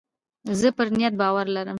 زه پر نیت باور لرم.